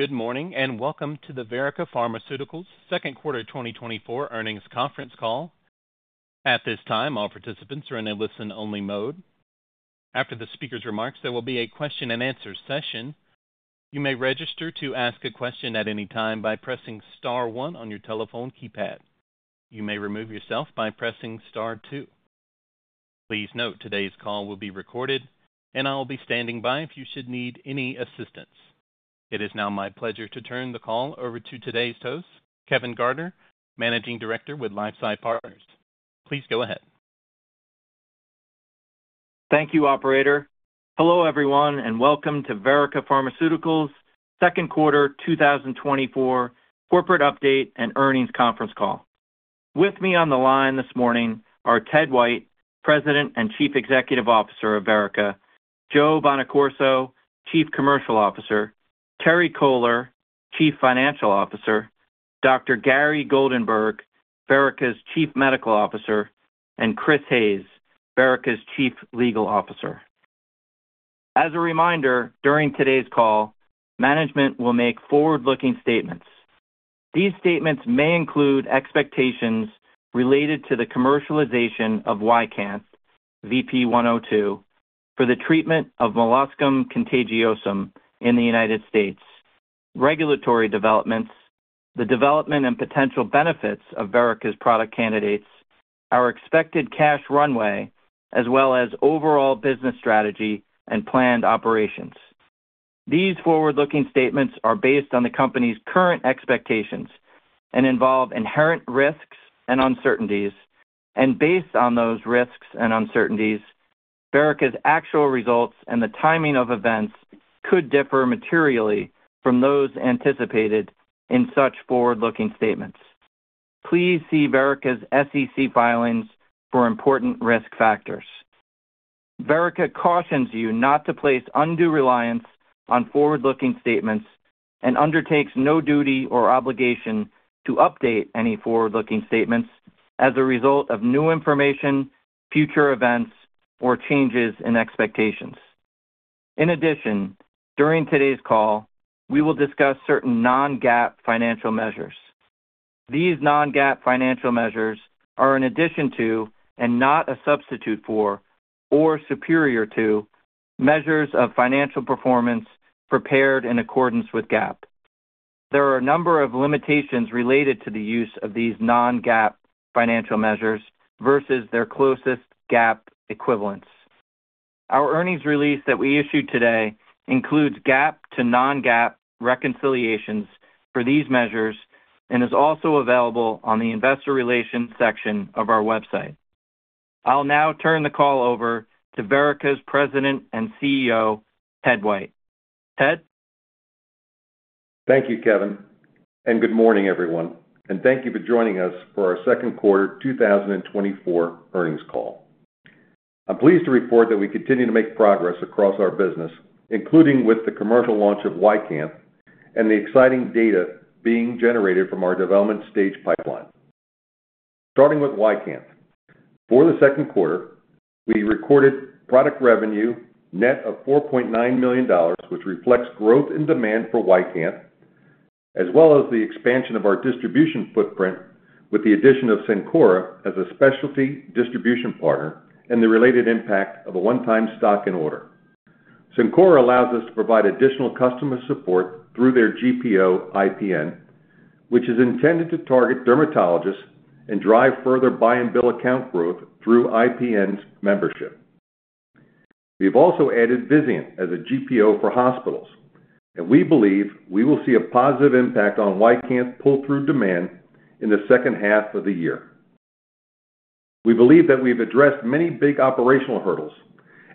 Good morning, and welcome to the Verrica Pharmaceuticals Second Quarter 2024 Earnings Conference Call. At this time, all participants are in a listen-only mode. After the speaker's remarks, there will be a question-and-answer session. You may register to ask a question at any time by pressing star one on your telephone keypad. You may remove yourself by pressing star two. Please note, today's call will be recorded, and I'll be standing by if you should need any assistance. It is now my pleasure to turn the call over to today's host, Kevin Gardner, Managing Director with LifeSci Partners. Please go ahead. Thank you, operator. Hello, everyone, and welcome to Verrica Pharmaceuticals Second Quarter 2024 Corporate Update and Earnings Conference Call. With me on the line this morning are Ted White, President and Chief Executive Officer of Verrica, Joe Bonaccorso, Chief Commercial Officer, Terry Kohler, Chief Financial Officer, Dr. Gary Goldenberg, Verrica's Chief Medical Officer, and Chris Hayes, Verrica's Chief Legal Officer. As a reminder, during today's call, management will make forward-looking statements. These statements may include expectations related to the commercialization of YCANTH, VP-102, for the treatment of molluscum contagiosum in the United States, regulatory developments, the development and potential benefits of Verrica's product candidates, our expected cash runway, as well as overall business strategy and planned operations. These forward-looking statements are based on the company's current expectations and involve inherent risks and uncertainties. Based on those risks and uncertainties, Verrica's actual results and the timing of events could differ materially from those anticipated in such forward-looking statements. Please see Verrica's SEC filings for important risk factors. Verrica cautions you not to place undue reliance on forward-looking statements and undertakes no duty or obligation to update any forward-looking statements as a result of new information, future events, or changes in expectations. In addition, during today's call, we will discuss certain non-GAAP financial measures. These non-GAAP financial measures are in addition to and not a substitute for or superior to measures of financial performance prepared in accordance with GAAP. There are a number of limitations related to the use of these non-GAAP financial measures versus their closest GAAP equivalents. Our earnings release that we issued today includes GAAP to non-GAAP reconciliations for these measures and is also available on the investor relations section of our website. I'll now turn the call over to Verrica's President and CEO, Ted White. Ted? Thank you, Kevin, and good morning, everyone, and thank you for joining us for our second quarter 2024 earnings call. I'm pleased to report that we continue to make progress across our business, including with the commercial launch of YCANTH and the exciting data being generated from our development stage pipeline. Starting with YCANTH. For the second quarter, we recorded product revenue net of $4.9 million, which reflects growth in demand for YCANTH, as well as the expansion of our distribution footprint with the addition of Cencora as a specialty distribution partner and the related impact of a one-time stocking order. Cencora allows us to provide additional customer support through their GPO IPN, which is intended to target dermatologists and drive further buy-and-bill account growth through IPN's membership. We've also added Vizient as a GPO for hospitals, and we believe we will see a positive impact on YCANTH pull-through demand in the second half of the year. We believe that we've addressed many big operational hurdles,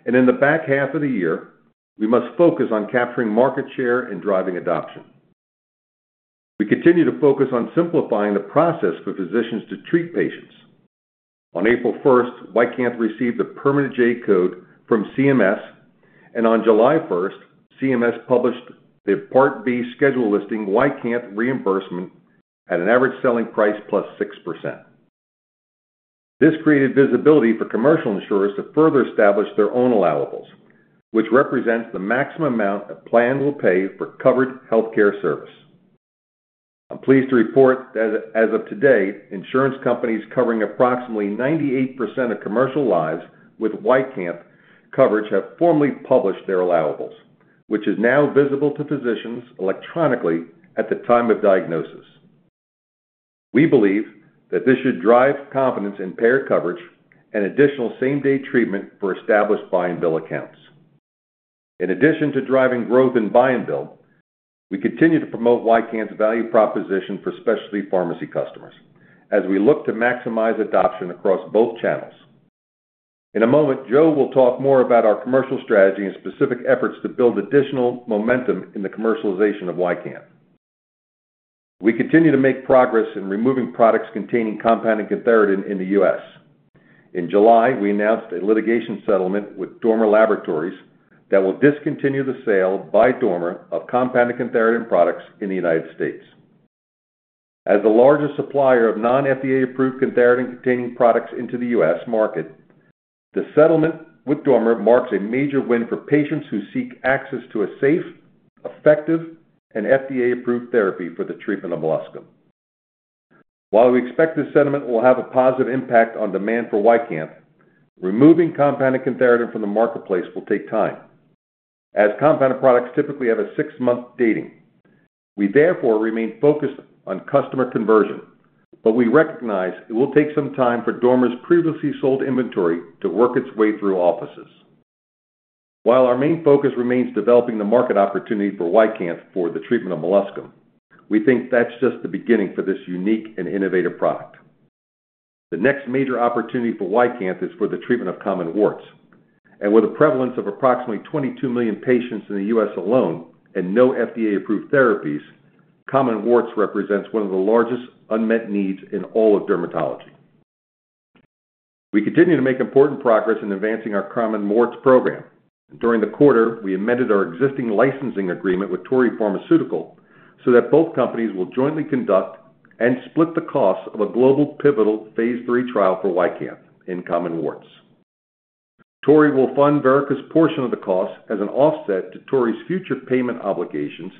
and in the back half of the year, we must focus on capturing market share and driving adoption. We continue to focus on simplifying the process for physicians to treat patients. On April first, YCANTH received a permanent J-code from CMS, and on July first, CMS published the Part B schedule listing YCANTH reimbursement at an average selling price plus 6%. This created visibility for commercial insurers to further establish their own allowables, which represents the maximum amount a plan will pay for covered healthcare service. I'm pleased to report that as of today, insurance companies covering approximately 98% of commercial lives with YCANTH coverage have formally published their allowables, which is now visible to physicians electronically at the time of diagnosis. We believe that this should drive confidence in payer coverage and additional same-day treatment for established buy-and-bill accounts. In addition to driving growth in buy and bill, we continue to promote YCANTH's value proposition for specialty pharmacy customers as we look to maximize adoption across both channels. In a moment, Joe will talk more about our commercial strategy and specific efforts to build additional momentum in the commercialization of YCANTH. We continue to make progress in removing products containing compounded cantharidin in the US. In July, we announced a litigation settlement with Dormer Laboratories that will discontinue the sale by Dormer of compounded cantharidin products in the United States. as the largest supplier of non-FDA-approved cantharidin-containing products into the U.S. market, the settlement with Dormer marks a major win for patients who seek access to a safe, effective, and FDA-approved therapy for the treatment of molluscum. While we expect this settlement will have a positive impact on demand for YCANTH, removing compounded cantharidin from the marketplace will take time, as compounded products typically have a six-month dating. We therefore remain focused on customer conversion, but we recognize it will take some time for Dormer's previously sold inventory to work its way through offices. While our main focus remains developing the market opportunity for YCANTH for the treatment of molluscum, we think that's just the beginning for this unique and innovative product. The next major opportunity for YCANTH is for the treatment of common warts, and with a prevalence of approximately 22 million patients in the U.S. alone and no FDA-approved therapies, common warts represents one of the largest unmet needs in all of dermatology. We continue to make important progress in advancing our common warts program. During the quarter, we amended our existing licensing agreement with Torii Pharmaceutical, so that both companies will jointly conduct and split the costs of a global pivotal Phase 3 trial for YCANTH in common warts. Torii will fund Verrica's portion of the cost as an offset to Torii's future payment obligations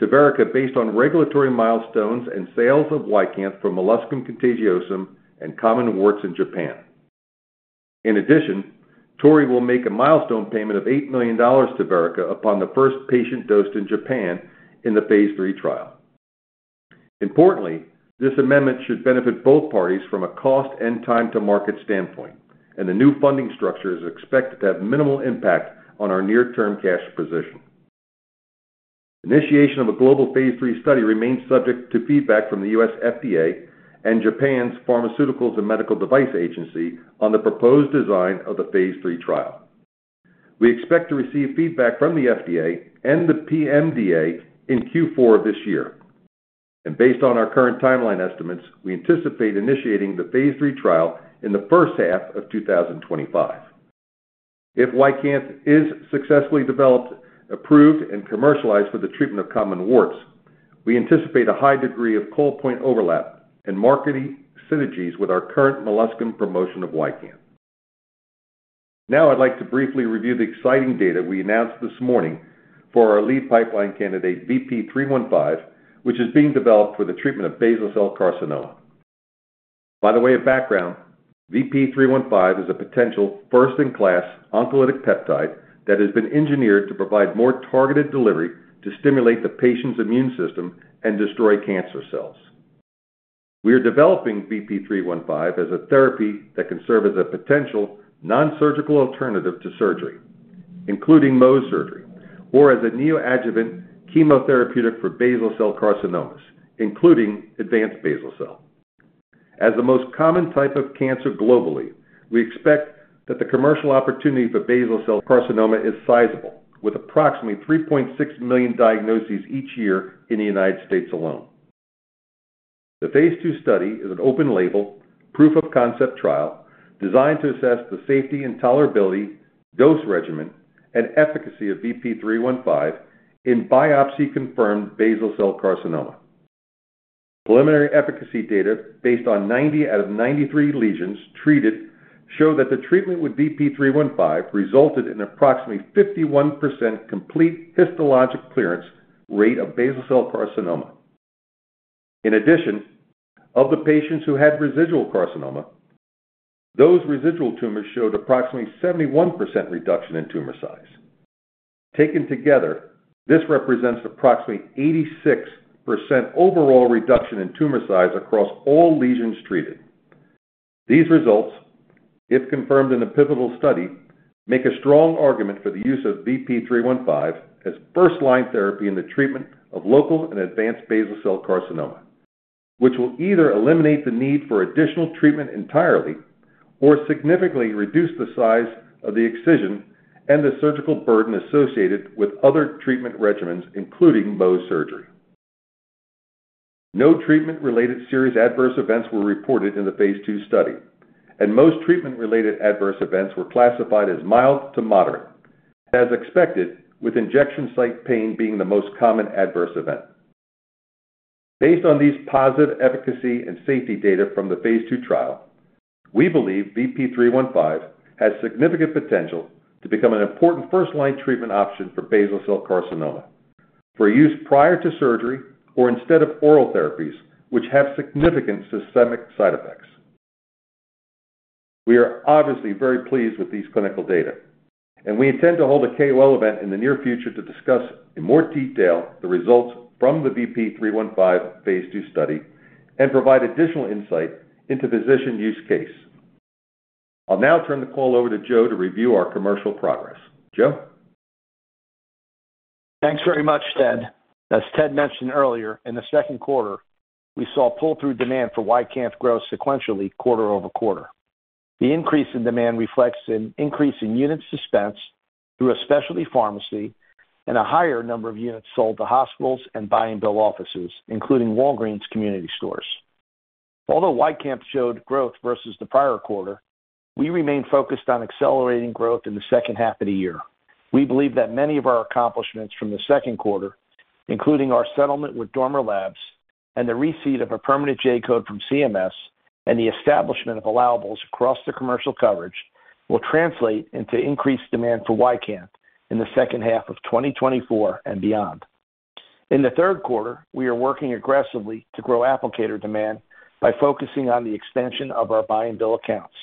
to Verrica, based on regulatory milestones and sales of YCANTH for molluscum contagiosum and common warts in Japan. In addition, Torii will make a milestone payment of $8 million to Verrica upon the first patient dosed in Japan in the Phase 3 trial. Importantly, this amendment should benefit both parties from a cost and time to market standpoint, and the new funding structure is expected to have minimal impact on our near-term cash position. Initiation of a global Phase 3 study remains subject to feedback from the U.S. FDA and Japan's Pharmaceuticals and Medical Devices Agency on the proposed design of the Phase 3 trial. We expect to receive feedback from the FDA and the PMDA in Q4 of this year, and based on our current timeline estimates, we anticipate initiating the Phase 3 trial in the first half of 2025. If YCANTH is successfully developed, approved, and commercialized for the treatment of common warts, we anticipate a high degree of call point overlap and marketing synergies with our current molluscum promotion of YCANTH. Now I'd like to briefly review the exciting data we announced this morning for our lead pipeline candidate, VP-315, which is being developed for the treatment of basal cell carcinoma. By the way, of background, VP-315 is a potential first-in-class oncolytic peptide that has been engineered to provide more targeted delivery to stimulate the patient's immune system and destroy cancer cells. We are developing VP-315 as a therapy that can serve as a potential nonsurgical alternative to surgery, including Mohs surgery or as a neoadjuvant chemotherapeutic for basal cell carcinomas, including advanced basal cell. As the most common type of cancer globally, we expect that the commercial opportunity for basal cell carcinoma is sizable, with approximately 3.6 million diagnoses each year in the United States alone. The Phase 2 study is an open-label, proof-of-concept trial designed to assess the safety and tolerability, dose regimen, and efficacy of VP-315 in biopsy-confirmed basal cell carcinoma. Preliminary efficacy data, based on 90 out of 93 lesions treated, show that the treatment with VP-315 resulted in approximately 51% complete histologic clearance rate of basal cell carcinoma. In addition, of the patients who had residual carcinoma, those residual tumors showed approximately 71% reduction in tumor size. Taken together, this represents approximately 86% overall reduction in tumor size across all lesions treated. These results, if confirmed in a pivotal study, make a strong argument for the use of VP-315 as first-line therapy in the treatment of local and advanced basal cell carcinoma, which will either eliminate the need for additional treatment entirely or significantly reduce the size of the excision and the surgical burden associated with other treatment regimens, including Mohs surgery. No treatment-related serious adverse events were reported in the Phase 2 study, and most treatment-related adverse events were classified as mild to moderate, as expected, with injection site pain being the most common adverse event. Based on these positive efficacy and safety data from the Phase 2 trial, we believe VP-315 has significant potential to become an important first-line treatment option for basal cell carcinoma for use prior to surgery or instead of oral therapies, which have significant systemic side effects. We are obviously very pleased with these clinical data, and we intend to hold a KOL event in the near future to discuss in more detail the results from the VP-315 Phase 2 study and provide additional insight into physician use case. I'll now turn the call over to Joe to review our commercial progress. Joe? Thanks very much, Ted. As Ted mentioned earlier, in the second quarter, we saw pull-through demand for YCANTH grow sequentially quarter over quarter. The increase in demand reflects an increase in units dispensed through a specialty pharmacy and a higher number of units sold to hospitals and buy-and-bill offices, including Walgreens Community stores. Although YCANTH showed growth versus the prior quarter, we remain focused on accelerating growth in the second half of the year. We believe that many of our accomplishments from the second quarter, including our settlement with Dormer Labs and the receipt of a permanent J-code from CMS, and the establishment of allowables across the commercial coverage, will translate into increased demand for YCANTH in the second half of 2024 and beyond. In the third quarter, we are working aggressively to grow applicator demand by focusing on the extension of our buy-and-bill accounts,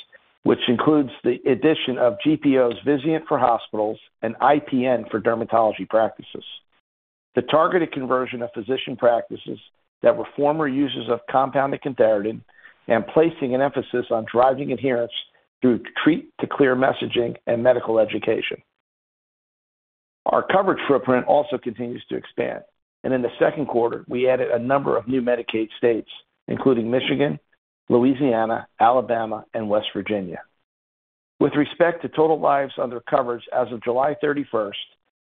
which includes the addition of GPOs, Vizient for hospitals, and IPN for dermatology practices. The targeted conversion of physician practices that were former users of compounded cantharidin and placing an emphasis on driving adherence through treat-to-clear messaging and medical education. Our coverage footprint also continues to expand, and in the second quarter, we added a number of new Medicaid states, including Michigan, Louisiana, Alabama, and West Virginia. With respect to total lives under coverage, as of July 31,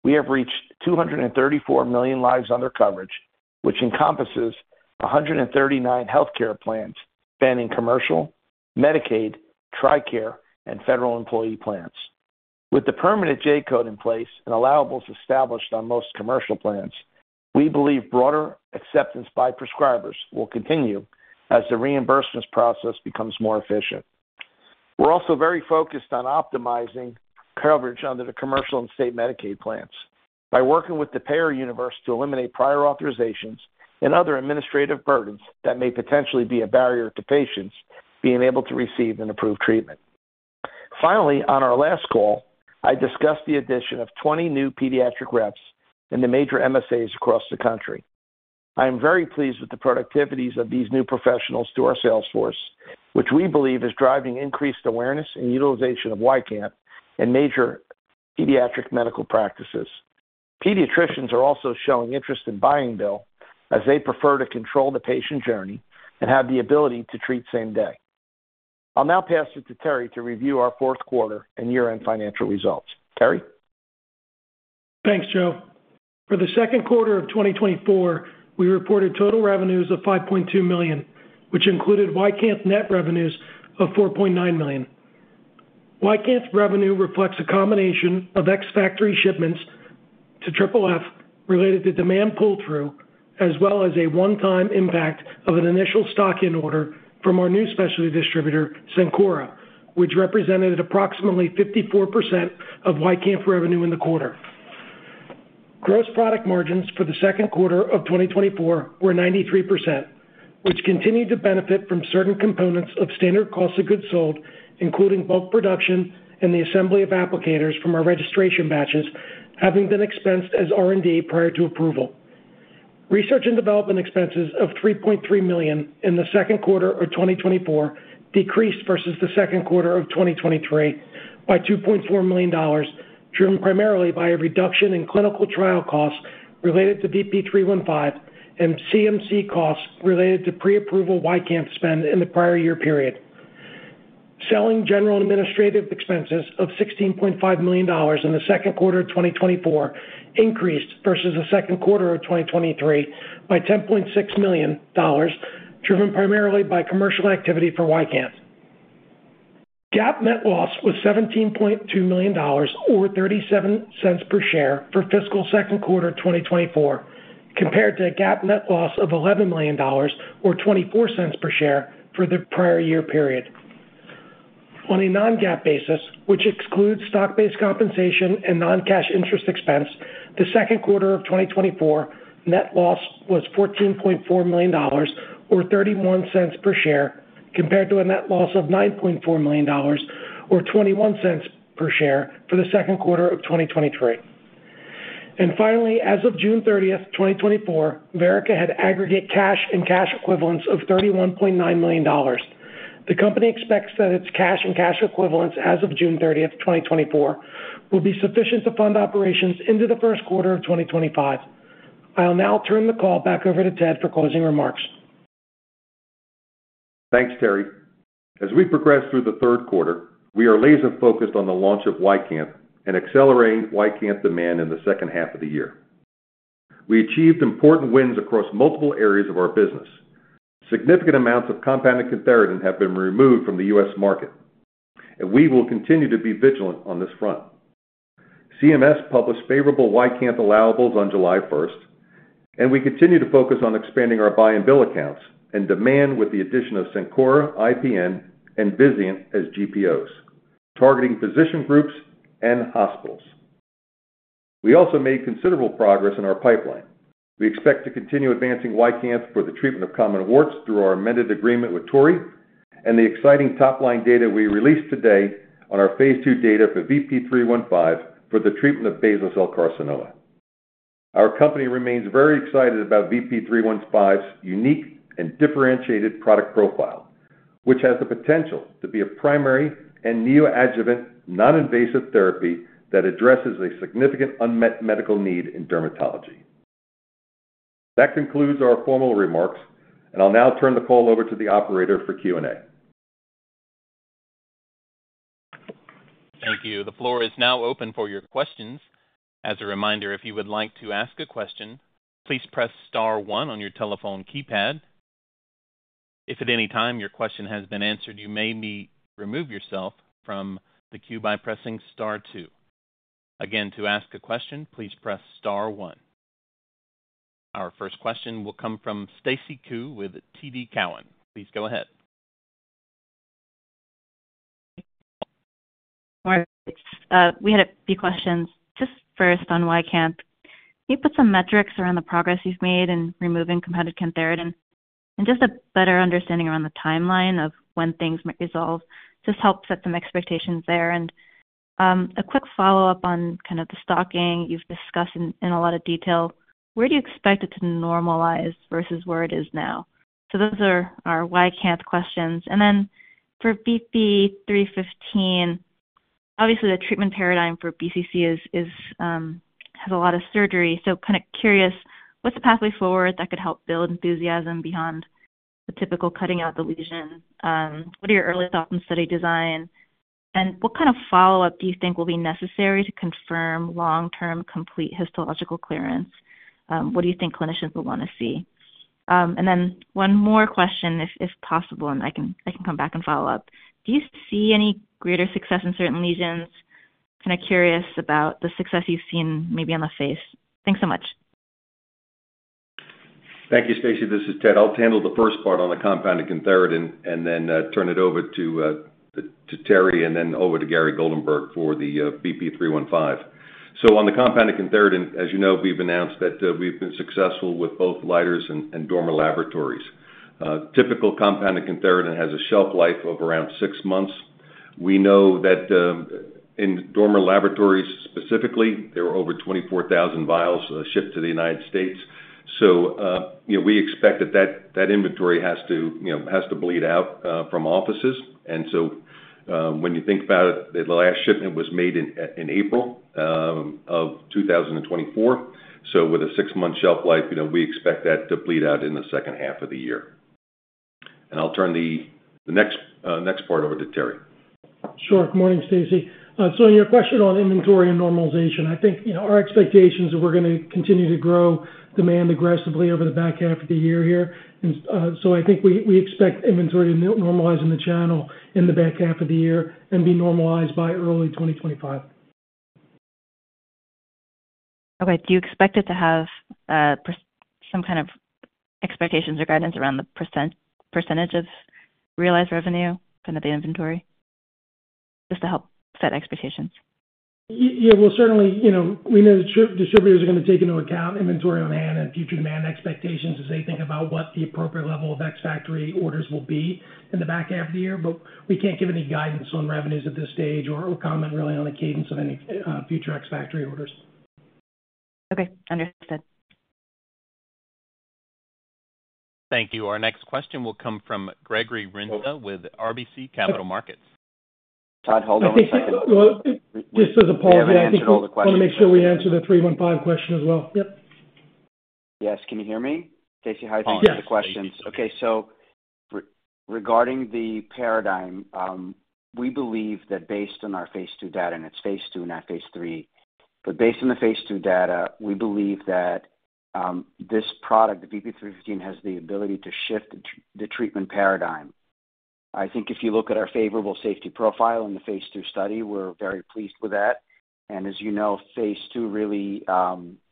we have reached 234 million lives under coverage, which encompasses 139 healthcare plans spanning commercial, Medicaid, TRICARE, and federal employee plans. With the permanent J-code in place and allowables established on most commercial plans, we believe broader acceptance by prescribers will continue as the reimbursements process becomes more efficient. We're also very focused on optimizing coverage under the commercial and state Medicaid plans by working with the payer universe to eliminate prior authorizations and other administrative burdens that may potentially be a barrier to patients being able to receive an approved treatment. Finally, on our last call, I discussed the addition of 20 new pediatric reps in the major MSAs across the country. I am very pleased with the productivities of these new professionals to our sales force, which we believe is driving increased awareness and utilization of YCANTH in major pediatric medical practices. Pediatricians are also showing interest in buy-and-bill, as they prefer to control the patient journey and have the ability to treat same day. I'll now pass it to Terry to review our fourth quarter and year-end financial results. Terry? Thanks, Joe. For the second quarter of 2024, we reported total revenues of $5.2 million, which included YCANTH net revenues of $4.9 million. YCANTH's revenue reflects a combination of ex-factory shipments to FFF related to demand pull-through, as well as a one-time impact of an initial stocking order from our new specialty distributor, Cencora, which represented approximately 54% of YCANTH revenue in the quarter. Gross product margins for the second quarter of 2024 were 93%, which continued to benefit from certain components of standard cost of goods sold, including bulk production and the assembly of applicators from our registration batches, having been expensed as R&D prior to approval. Research and development expenses of $3.3 million in the second quarter of 2024 decreased versus the second quarter of 2023 by $2.4 million, driven primarily by a reduction in clinical trial costs related to VP-315 and CMC costs related to pre-approval YCANTH spend in the prior year period. Selling general and administrative expenses of $16.5 million in the second quarter of 2024 increased versus the second quarter of 2023 by $10.6 million, driven primarily by commercial activity for YCANTH. GAAP net loss was $17.2 million or 37 cents per share for fiscal second quarter 2024, compared to a GAAP net loss of $11 million or 24 cents per share for the prior year period. On a non-GAAP basis, which excludes stock-based compensation and non-cash interest expense, the second quarter of 2024 net loss was $14.4 million or $0.31 per share, compared to a net loss of $9.4 million or $0.21 per share for the second quarter of 2023. Finally, as of June 30th, 2024, Verrica had aggregate cash and cash equivalents of $31.9 million. The company expects that its cash and cash equivalents as of June 30th, 2024, will be sufficient to fund operations into the first quarter of 2025. I'll now turn the call back over to Ted for closing remarks. Thanks, Terry. As we progress through the third quarter, we are laser-focused on the launch of YCANTH and accelerating YCANTH demand in the second half of the year. We achieved important wins across multiple areas of our business. Significant amounts of compounded cantharidin have been removed from the U.S. market, and we will continue to be vigilant on this front. CMS published favorable YCANTH allowables on July 1, and we continue to focus on expanding our buy-and-bill accounts and demand with the addition of Cencora, IPN, and Vizient as GPOs, targeting physician groups and hospitals. We also made considerable progress in our pipeline. We expect to continue advancing YCANTH for the treatment of common warts through our amended agreement with Torii and the exciting top-line data we released today on our Phase 2 data for VP-315 for the treatment of basal cell carcinoma. Our company remains very excited about VP-315's unique and differentiated product profile, which has the potential to be a primary and neoadjuvant, non-invasive therapy that addresses a significant unmet medical need in dermatology. That concludes our formal remarks, and I'll now turn the call over to the operator for Q&A.... Thank you. The floor is now open for your questions. As a reminder, if you would like to ask a question, please press star one on your telephone keypad. If at any time your question has been answered, you may remove yourself from the queue by pressing star two. Again, to ask a question, please press star one. Our first question will come from Stacy Ku with TD Cowen. Please go ahead. Hi. We had a few questions. Just first on YCANTH, can you put some metrics around the progress you've made in removing compounded cantharidin, and just a better understanding around the timeline of when things might resolve? Just help set some expectations there. And, a quick follow-up on kind of the stocking you've discussed in a lot of detail. Where do you expect it to normalize versus where it is now? So those are our YCANTH questions. And then for VP-315, obviously, the treatment paradigm for BCC has a lot of surgery. So kind of curious, what's the pathway forward that could help build enthusiasm beyond the typical cutting out the lesion? What are your early thoughts on study design, and what kind of follow-up do you think will be necessary to confirm long-term, complete histologic clearance? What do you think clinicians will wanna see? And then one more question, if possible, and I can come back and follow up. Do you see any greater success in certain lesions? Kind of curious about the success you've seen maybe on the face. Thanks so much. Thank you, Stacy. This is Ted. I'll handle the first part on the compounded cantharidin, and then turn it over to Terry, and then over to Gary Goldenberg for the VP-315. So on the compounded cantharidin, as you know, we've announced that we've been successful with both Leiters and Dormer Laboratories. Typical compounded cantharidin has a shelf life of around six months. We know that in Dormer Laboratories specifically, there were over 24,000 vials shipped to the United States. So, you know, we expect that inventory has to, you know, has to bleed out from offices. And so, when you think about it, the last shipment was made in April of 2024. With a six-month shelf life, you know, we expect that to bleed out in the second half of the year. I'll turn the next part over to Terry. Sure. Good morning, Stacy. So your question on inventory and normalization, I think, you know, our expectations are we're gonna continue to grow demand aggressively over the back half of the year here. So I think we expect inventory to normalize in the channel in the back half of the year and be normalized by early 2025. Okay. Do you expect it to have, some kind of expectations or guidance around the percent, percentage of realized revenue from the inventory, just to help set expectations? Yeah, we'll certainly... You know, we know the distributors are gonna take into account inventory on hand and future demand expectations as they think about what the appropriate level of ex-factory orders will be in the back half of the year. But we can't give any guidance on revenues at this stage or comment really on the cadence of any future ex-factory orders. Okay. Understood. Thank you. Our next question will come from Gregory Renza with RBC Capital Markets. Ted, hold on one second. Well, just as an apology, I think I wanna make sure we answer the 315 question as well. Yep. Yes. Can you hear me? Stacy, hi. Yes. Thanks for the questions. Okay. So regarding the paradigm, we believe that based on our Phase 2 data, and it's Phase 2, not Phase 3, but based on the Phase 2 data, we believe that, this product, the VP-315, has the ability to shift the treatment paradigm. I think if you look at our favorable safety profile in the Phase 2 study, we're very pleased with that. And as you know, Phase 2 really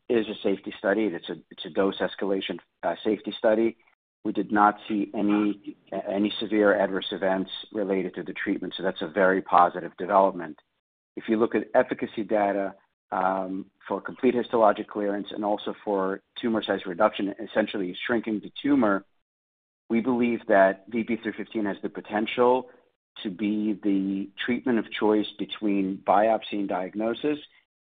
is a safety study. It's a, it's a dose escalation safety study. We did not see any severe adverse events related to the treatment, so that's a very positive development. If you look at efficacy data for complete histologic clearance and also for tumor size reduction, essentially shrinking the tumor, we believe that VP-315 has the potential to be the treatment of choice between biopsy and diagnosis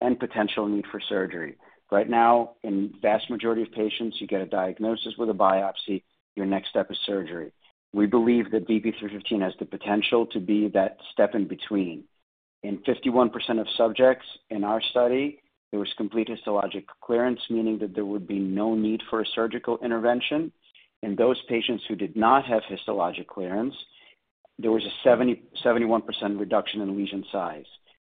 and potential need for surgery. Right now, in vast majority of patients, you get a diagnosis with a biopsy, your next step is surgery. We believe that VP-315 has the potential to be that step in between. In 51% of subjects in our study, there was complete histologic clearance, meaning that there would be no need for a surgical intervention. In those patients who did not have histologic clearance, there was a 70-71% reduction in lesion size.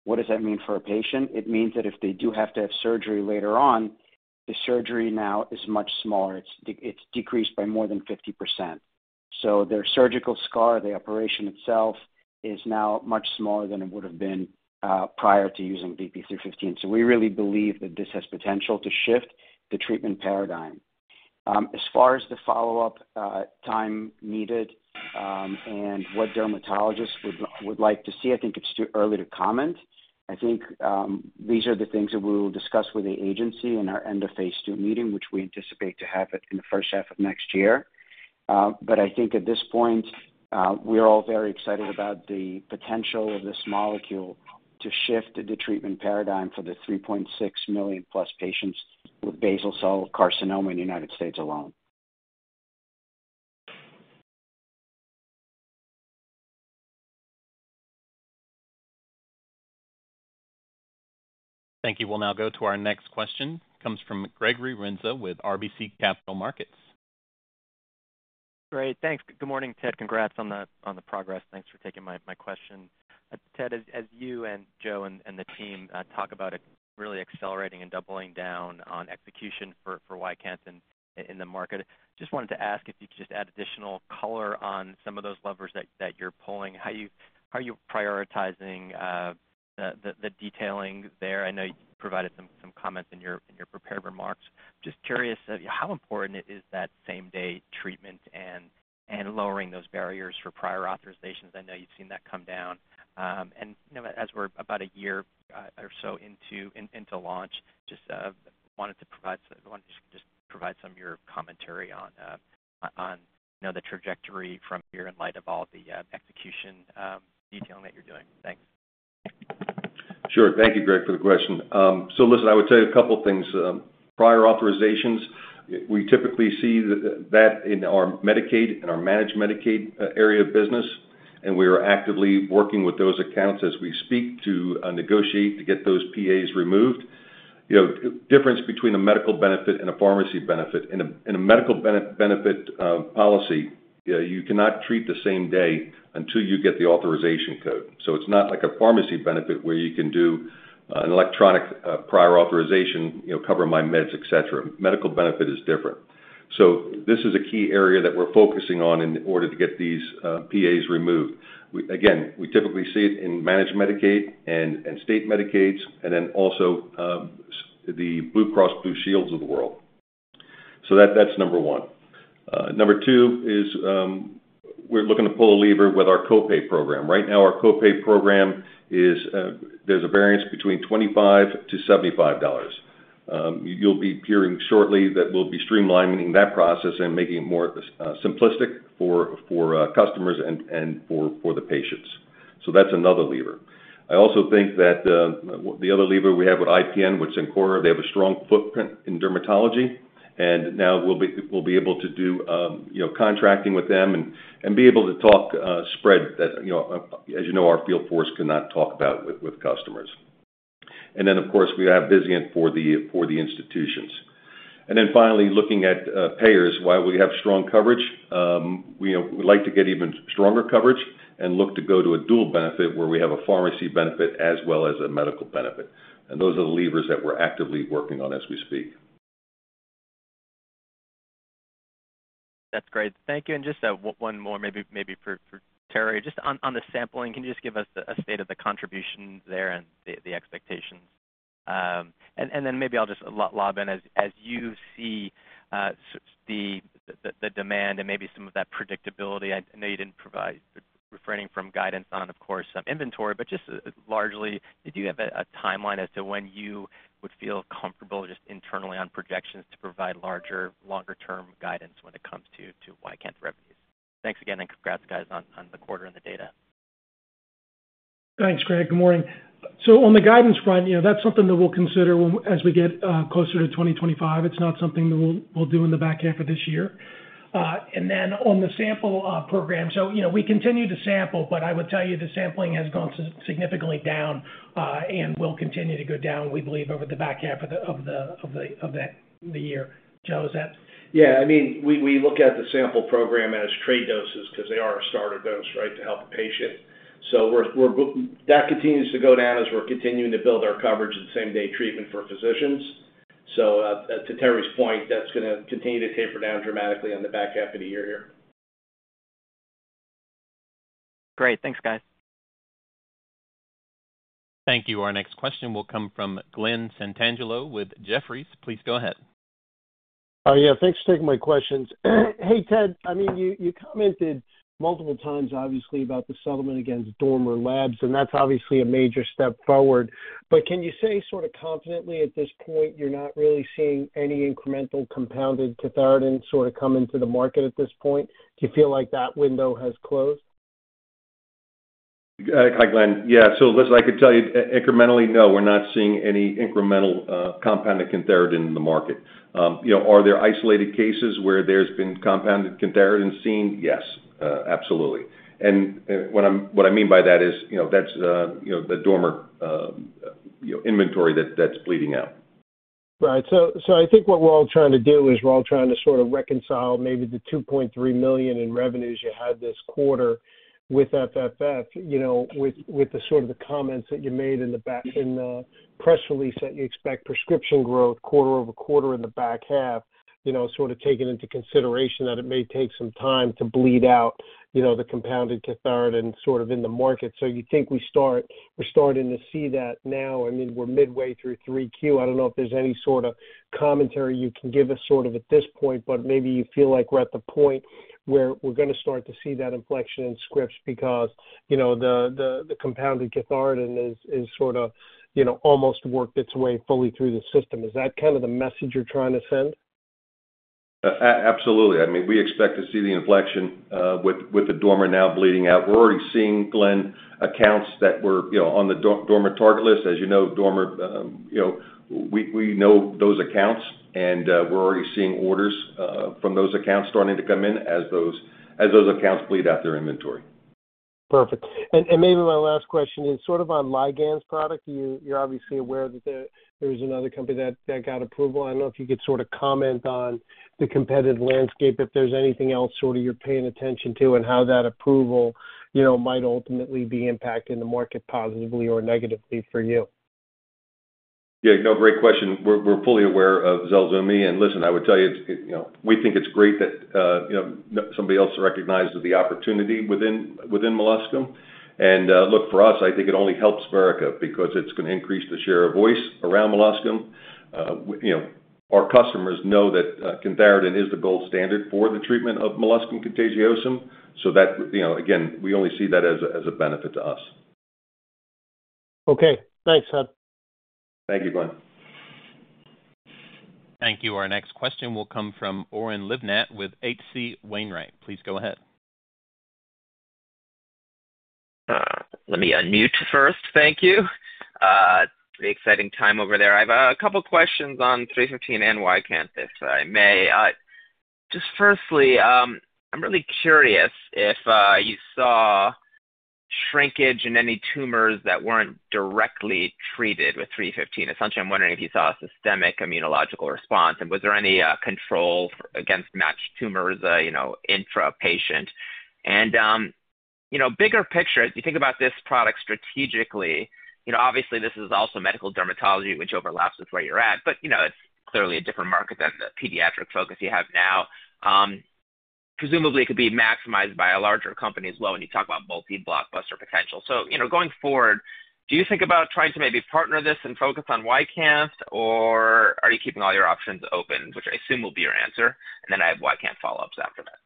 What does that mean for a patient? It means that if they do have to have surgery later on, the surgery now is much smaller. It's decreased by more than 50%. So their surgical scar, the operation itself, is now much smaller than it would've been prior to using VP-315. So we really believe that this has potential to shift the treatment paradigm. As far as the follow-up time needed and what dermatologists would like to see, I think it's too early to comment. I think these are the things that we will discuss with the agency in our end of Phase 2 meeting, which we anticipate to happen in the first half of next year. But I think at this point we're all very excited about the potential of this molecule to shift the treatment paradigm for the 3.6 million+ patients with basal cell carcinoma in the United States alone. Thank you. We'll now go to our next question, comes from Gregory Renza with RBC Capital Markets. ... Great, thanks. Good morning, Ted. Congrats on the progress. Thanks for taking my question. Ted, as you and Joe and the team talk about really accelerating and doubling down on execution for YCANTH in the market. Just wanted to ask if you could just add additional color on some of those levers that you're pulling. How are you prioritizing the detailing there? I know you provided some comments in your prepared remarks. Just curious, how important is that same-day treatment and lowering those barriers for prior authorizations? I know you've seen that come down. You know, as we're about a year or so into launch, just wanted to just provide some of your commentary on, you know, the trajectory from here in light of all the execution detailing that you're doing. Thanks. Sure. Thank you, Greg, for the question. So listen, I would tell you a couple of things. Prior authorizations, we typically see that in our Medicaid, in our managed Medicaid, area of business, and we are actively working with those accounts as we speak to negotiate to get those PAs removed. You know, difference between a medical benefit and a pharmacy benefit. In a medical benefit policy, you cannot treat the same day until you get the authorization code. So it's not like a pharmacy benefit where you can do an electronic prior authorization, you know, CoverMyMeds, et cetera. Medical benefit is different. So this is a key area that we're focusing on in order to get these PAs removed. We again typically see it in managed Medicaid and state Medicaids, and then also the Blue Cross Blue Shields of the world. So that's number one. Number two is we're looking to pull a lever with our co-pay program. Right now, our co-pay program is there's a variance between $25-$75. You'll be hearing shortly that we'll be streamlining that process and making it more simplistic for customers and for the patients. So that's another lever. I also think that, the other lever we have with IPN, which is Cencora, they have a strong footprint in dermatology, and now we'll be able to do, you know, contracting with them and be able to talk, spread that, you know, as you know, our field force cannot talk about with customers. And then, of course, we have Vizient for the institutions. And then finally, looking at payers, while we have strong coverage, we, you know, we like to get even stronger coverage and look to go to a dual benefit, where we have a pharmacy benefit as well as a medical benefit. And those are the levers that we're actively working on as we speak. That's great. Thank you. And just, one more maybe, maybe for, for Terry. Just on, on the sampling, can you just give us a state of the contribution there and the, the expectations? And, then maybe I'll just lob in. As, you see, the, the, the demand and maybe some of that predictability, I know you didn't provide... Refraining from guidance on, of course, some inventory, but just largely, did you have a, a timeline as to when you would feel comfortable, just internally on projections, to provide larger, longer-term guidance when it comes to, to YCANTH revenues? Thanks again, and congrats, guys, on, on the quarter and the data. Thanks, Greg. Good morning. So on the guidance front, you know, that's something that we'll consider as we get closer to 2025. It's not something that we'll do in the back half of this year. And then on the sample program, so, you know, we continue to sample, but I would tell you the sampling has gone significantly down, and will continue to go down, we believe, over the back half of the year. Joe, is that- Yeah, I mean, we look at the sample program as trade doses because they are a starter dose, right, to help a patient. So that continues to go down as we're continuing to build our coverage and same-day treatment for physicians. So, to Terry's point, that's gonna continue to taper down dramatically on the back half of the year here. Great. Thanks, guys. Thank you. Our next question will come from Glen Santangelo with Jefferies. Please go ahead. Yeah, thanks for taking my questions. Hey, Ted, I mean, you, you commented multiple times, obviously, about the settlement against Dormer Labs, and that's obviously a major step forward. But can you say sort of confidently at this point, you're not really seeing any incremental compounded cantharidin sort of come into the market at this point? Do you feel like that window has closed? Hi, Glenn. Yeah, so listen, I could tell you incrementally, no, we're not seeing any incremental compounded cantharidin in the market. You know, are there isolated cases where there's been compounded cantharidin seen? Yes, absolutely. And what I mean by that is, you know, that's the Dormer inventory that's bleeding out. Right. So, I think what we're all trying to do is we're all trying to sort of reconcile maybe the $2.3 million in revenues you had this quarter with FFF, you know, with the sort of the comments that you made in the back in the press release, that you expect prescription growth quarter over quarter in the back half, you know, sort of taking into consideration that it may take some time to bleed out, you know, the compounded cantharidin sort of in the market. So you think we're starting to see that now? I mean, we're midway through Q3. I don't know if there's any sort of commentary you can give us sort of at this point, but maybe you feel like we're at the point where we're gonna start to see that inflection in scripts because, you know, the compounded cantharidin is sort of, you know, almost worked its way fully through the system. Is that kind of the message you're trying to send? Absolutely. I mean, we expect to see the inflection with the Dormer now bleeding out. We're already seeing, Glenn, accounts that were, you know, on the Dormer target list. As you know, Dormer, you know, we know those accounts, and we're already seeing orders from those accounts starting to come in as those accounts bleed out their inventory.... Perfect. And maybe my last question is sort of on Ligand's product. You're obviously aware that there's another company that got approval. I don't know if you could sort of comment on the competitive landscape, if there's anything else sort of you're paying attention to, and how that approval, you know, might ultimately be impacting the market positively or negatively for you? Yeah, no, great question. We're fully aware of ZELSUVMI, and listen, I would tell you, it, you know, we think it's great that, you know, somebody else recognizes the opportunity within, within molluscum. And, look, for us, I think it only helps Verrica because it's gonna increase the share of voice around molluscum. You know, our customers know that, cantharidin is the gold standard for the treatment of molluscum contagiosum, so that, you know, again, we only see that as a, as a benefit to us. Okay. Thanks, Ted. Thank you, Glenn. Thank you. Our next question will come from Oren Livnat with H.C. Wainwright. Please go ahead. Let me unmute first. Thank you. Pretty exciting time over there. I've a couple questions on 315 and YCANTH, if I may. Just firstly, I'm really curious if you saw shrinkage in any tumors that weren't directly treated with 315. Essentially, I'm wondering if you saw a systemic immunological response, and was there any control against matched tumors, you know, intra-patient? And, you know, bigger picture, as you think about this product strategically, you know, obviously this is also medical dermatology, which overlaps with where you're at, but, you know, it's clearly a different market than the pediatric focus you have now. Presumably, it could be maximized by a larger company as well, when you talk about multi-blockbuster potential. So, you know, going forward, do you think about trying to maybe partner this and focus on YCANTH, or are you keeping all your options open? Which I assume will be your answer, and then I have YCANTH follow-ups after that.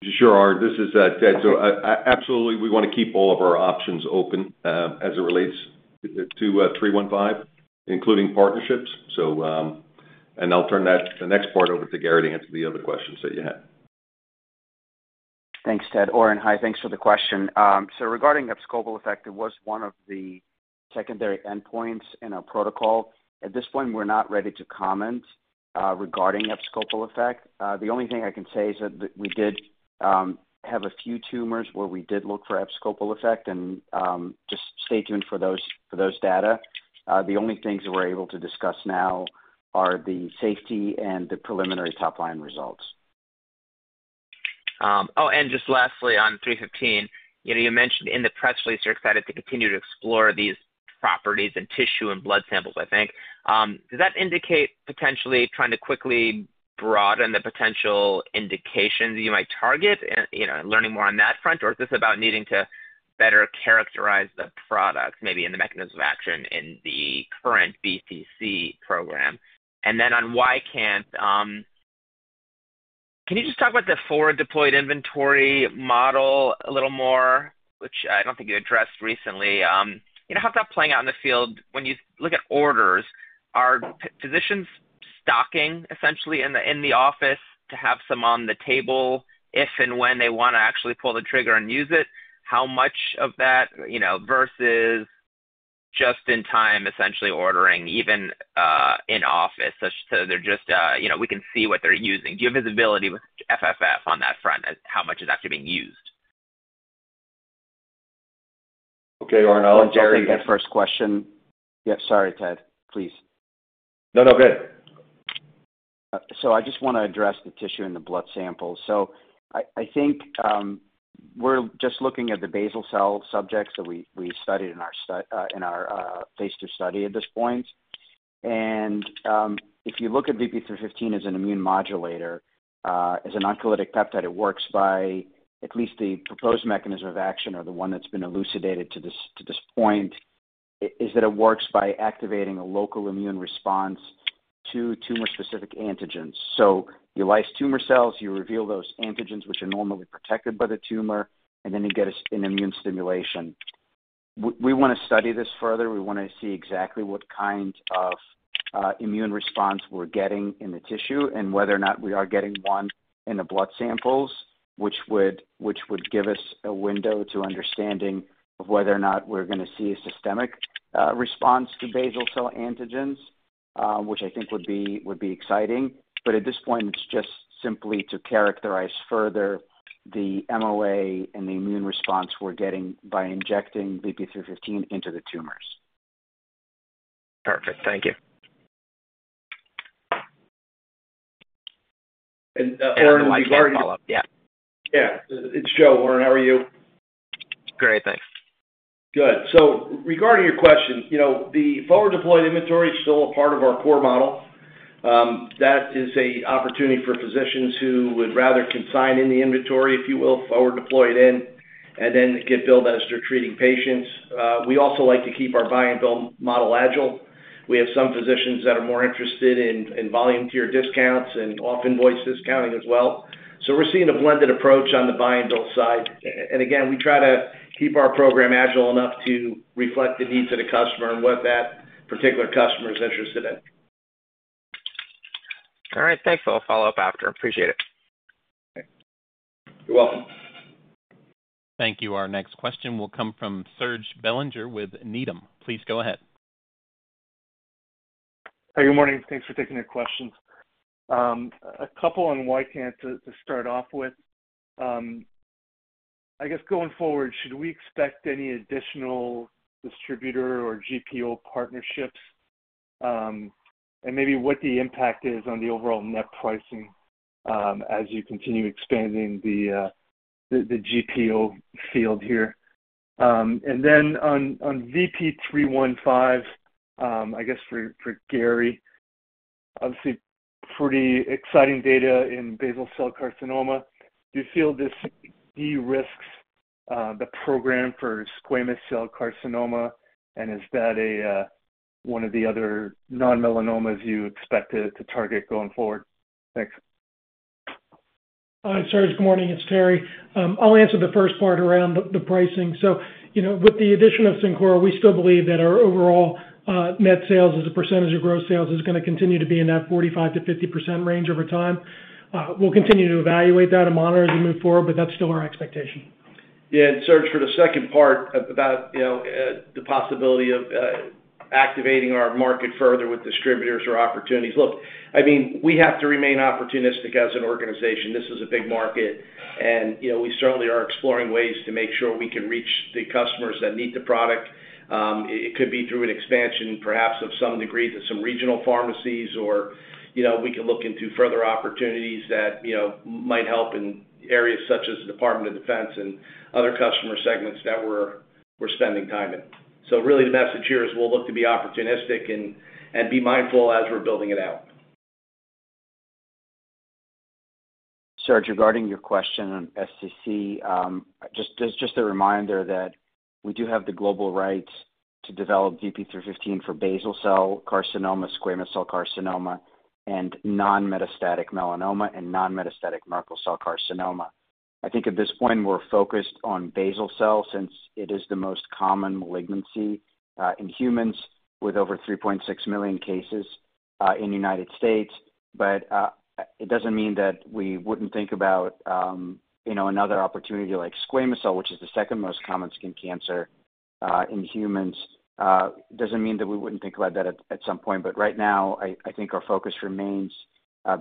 Thanks. Sure, Oren. This is, Ted. So, absolutely, we wanna keep all of our options open, as it relates to 315, including partnerships. So, and I'll turn that, the next part over to Gary to answer the other questions that you had. Thanks, Ted. Oren, hi, thanks for the question. So regarding abscopal effect, it was one of the secondary endpoints in our protocol. At this point, we're not ready to comment regarding abscopal effect. The only thing I can say is that we did have a few tumors where we did look for abscopal effect, and just stay tuned for those data. The only things that we're able to discuss now are the safety and the preliminary top-line results. Oh, and just lastly, on VP-315, you know, you mentioned in the press release you're excited to continue to explore these properties and tissue and blood samples, I think. Does that indicate potentially trying to quickly broaden the potential indications you might target and, you know, learning more on that front? Or is this about needing to better characterize the product, maybe in the mechanism of action in the current BCC program? And then on YCANTH, can you just talk about the forward-deployed inventory model a little more, which I don't think you addressed recently. You know, how's that playing out in the field when you look at orders, are physicians stocking essentially in the office to have some on the table if and when they wanna actually pull the trigger and use it? How much of that, you know, versus just in time, essentially ordering even in office, so they're just, you know, we can see what they're using. Do you have visibility with FFF on that front, as how much is actually being used? Okay, Oren, I'll let Gary- I'll take that first question. Yeah, sorry, Ted, please. No, no, go ahead. So I just wanna address the tissue and the blood samples. So I think, we're just looking at the basal cell subjects that we studied in our Phase 2 study at this point. If you look at VP-315 as an immune modulator, as an oncolytic peptide, it works by at least the proposed mechanism of action or the one that's been elucidated to this point, is that it works by activating a local immune response to tumor-specific antigens. So you lyse tumor cells, you reveal those antigens, which are normally protected by the tumor, and then you get an immune stimulation. We wanna study this further. We wanna see exactly what kind of immune response we're getting in the tissue and whether or not we are getting one in the blood samples, which would give us a window to understanding of whether or not we're gonna see a systemic response to basal cell antigens, which I think would be exciting. But at this point, it's just simply to characterize further the MOA and the immune response we're getting by injecting VP-315 into the tumors. Perfect. Thank you. Oren, regarding- One follow-up, yeah. Yeah. It's Joe. Oren, how are you? Great, thanks. Good. So regarding your question, you know, the forward deployed inventory is still a part of our core model. That is an opportunity for physicians who would rather consign in the inventory, if you will, forward deploy it in, and then get billed as they're treating patients. We also like to keep our buy and bill model agile. We have some physicians that are more interested in, in volume tier discounts and off invoice discounting as well. So we're seeing a blended approach on the buy and bill side. And again, we try to keep our program agile enough to reflect the needs of the customer and what that particular customer is interested in. All right, thanks. I'll follow up after. Appreciate it. You're welcome. Thank you. Our next question will come from Serge Belanger with Needham. Please go ahead. Hey, good morning. Thanks for taking the questions. A couple on YCANTH too, to start off with. I guess going forward, should we expect any additional distributor or GPO partnerships? And maybe what the impact is on the overall net pricing, as you continue expanding the GPO field here. And then on VP-315, I guess for Gary, obviously, pretty exciting data in basal cell carcinoma. Do you feel this de-risks the program for squamous cell carcinoma? And is that one of the other non-melanomas you expect it to target going forward? Thanks. Hi, Serge. Good morning. It's Terry. I'll answer the first part around the, the pricing. So, you know, with the addition of Cencora, we still believe that our overall net sales as a percentage of gross sales is gonna continue to be in that 45%-50% range over time. We'll continue to evaluate that and monitor as we move forward, but that's still our expectation. Yeah, and Serge, for the second part about, you know, the possibility of activating our market further with distributors or opportunities. Look, I mean, we have to remain opportunistic as an organization. This is a big market, and, you know, we certainly are exploring ways to make sure we can reach the customers that need the product. It could be through an expansion, perhaps of some degree, to some regional pharmacies, or, you know, we can look into further opportunities that, you know, might help in areas such as the Department of Defense and other customer segments that we're spending time in. So really, the message here is we'll look to be opportunistic and be mindful as we're building it out. Serge, regarding your question on SCC, just a reminder that we do have the global rights to develop VP-315 for basal cell carcinoma, squamous cell carcinoma, and non-metastatic melanoma and non-metastatic Merkel cell carcinoma. I think at this point, we're focused on basal cell, since it is the most common malignancy in humans with over 3.6 million cases in the United States. But, it doesn't mean that we wouldn't think about, you know, another opportunity like squamous cell, which is the second most common skin cancer in humans. doesn't mean that we wouldn't think about that at some point, but right now, I think our focus remains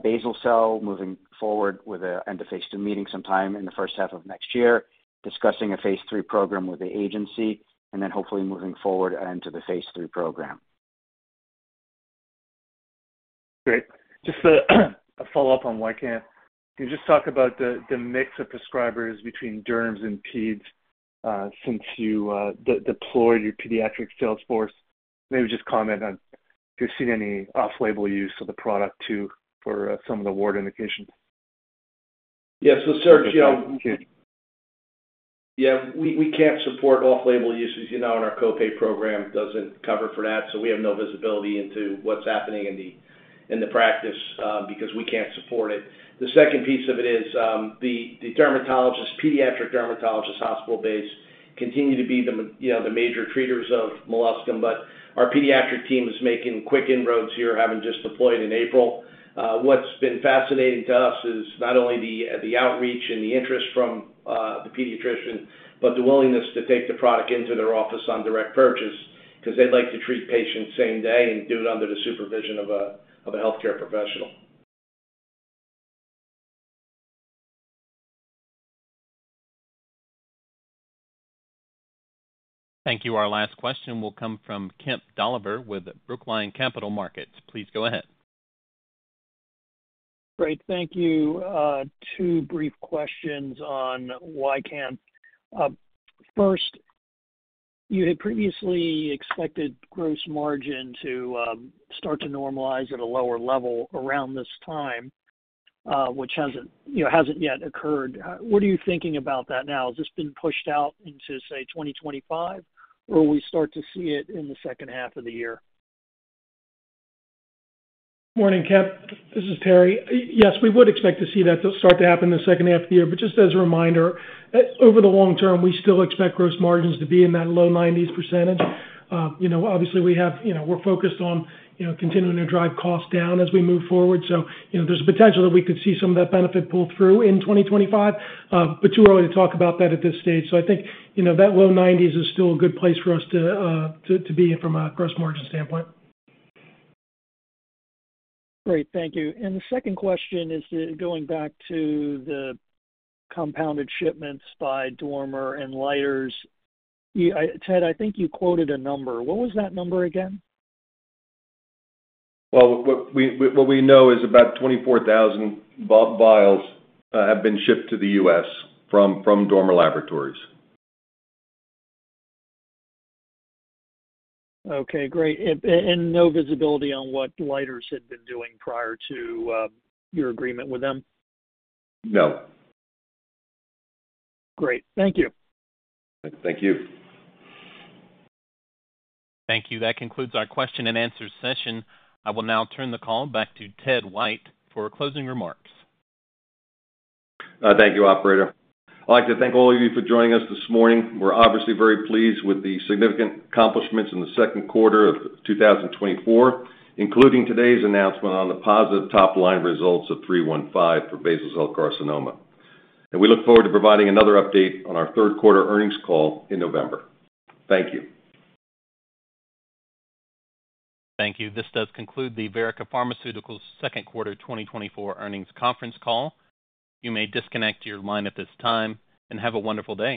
basal cell, moving forward with an end-of-Phase 2 meeting sometime in the first half of next year, discussing a Phase 3 program with the agency, and then hopefully moving forward and into the Phase 3 program. Great. Just a follow-up on YCANTH. Can you just talk about the mix of prescribers between derms and peds, since you deployed your pediatric sales force? Maybe just comment on if you're seeing any off-label use of the product, too, for some of the wart indications. Yeah. So, Serge, you know... Yeah, we can't support off-label uses, you know, and our co-pay program doesn't cover for that, so we have no visibility into what's happening in the practice, because we can't support it. The second piece of it is, the dermatologist, pediatric dermatologist, hospital-based, continue to be the major treaters of molluscum, but our pediatric team is making quick inroads here, having just deployed in April. What's been fascinating to us is not only the outreach and the interest from the pediatrician, but the willingness to take the product into their office on direct purchase, 'cause they'd like to treat patients same day and do it under the supervision of a healthcare professional. Thank you. Our last question will come from Kemp Dolliver with Brookline Capital Markets. Please go ahead. Great. Thank you. Two brief questions on YCANTH. First, you had previously expected gross margin to start to normalize at a lower level around this time, which hasn't, you know, hasn't yet occurred. What are you thinking about that now? Has this been pushed out into, say, 2025, or we start to see it in the second half of the year? Morning, Kemp. This is Terry. Yes, we would expect to see that start to happen in the second half of the year, but just as a reminder, over the long term, we still expect gross margins to be in that low 90s%. You know, obviously, we have. You know, we're focused on, you know, continuing to drive costs down as we move forward. So, you know, there's a potential that we could see some of that benefit pull through in 2025, but too early to talk about that at this stage. So I think, you know, that low 90s% is still a good place for us to be in from a gross margin standpoint. Great, thank you. And the second question is going back to the compounded shipments by Dormer and Leiters. I, Ted, I think you quoted a number. What was that number again? Well, what we know is about 24,000 vials have been shipped to the U.S. from Dormer Laboratories. Okay, great. And no visibility on what Leiters had been doing prior to your agreement with them? No. Great. Thank you. Thank you. Thank you. That concludes our question and answer session. I will now turn the call back to Ted White for closing remarks. Thank you, operator. I'd like to thank all of you for joining us this morning. We're obviously very pleased with the significant accomplishments in the second quarter of 2024, including today's announcement on the positive top-line results of 315 for basal cell carcinoma. We look forward to providing another update on our third quarter earnings call in November. Thank you. Thank you. This does conclude the Verrica Pharmaceuticals' second quarter 2024 earnings conference call. You may disconnect your line at this time, and have a wonderful day.